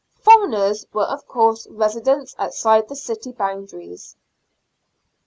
" Foreigners " were, of course, residents outside the city boundaries.